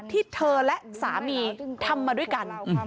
ที่เธอและสามีทำมาด้วยกัน